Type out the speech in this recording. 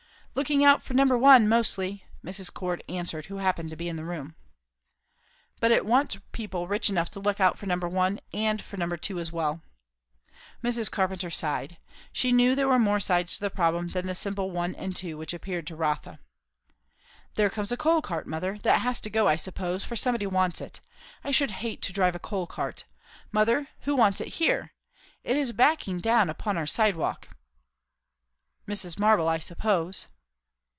"Looking out for Number One, mostly," Mrs. Cord answered, who happened to be in the room. "But it wants people rich enough to look out for Number One, and for Number Two as well." Mrs. Carpenter sighed. She knew there were more sides to the problem than the simple "one and two" which appeared to Rotha. "There comes a coal cart, mother; that has to go, I suppose, for somebody wants it. I should hate to drive a coal cart! Mother, who wants it here? It is backing down upon our sidewalk." "Mrs. Marble, I suppose."